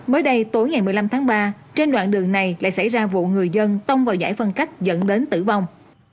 mới đây tối ngày một mươi năm tháng ba trên đoạn đường này lại xảy ra vụ người dân tông vào giải phân cách dẫn đến tử vong